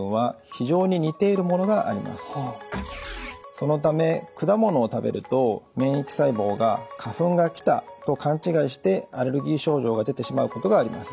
そのため果物を食べると免疫細胞が「花粉が来た！」と勘違いしてアレルギー症状が出てしまうことがあります。